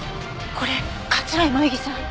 これ桂井萌衣さん！